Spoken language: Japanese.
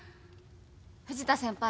藤田先輩